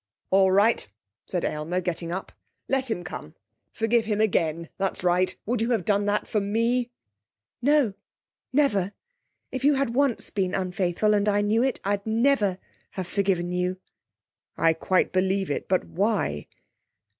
'All right!' said Aylmer, getting up. 'Let him come. Forgive him again, that's right! Would you have done that for me?' 'No! Never! If you had once been unfaithful, and I knew it, I'd never have forgiven you.' 'I quite believe it. But why?'